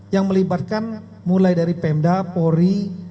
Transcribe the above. yang melibatkan mulai dari pemda pori